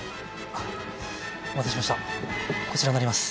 お待たせしましたこちらになります。